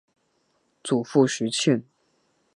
祖父徐庆。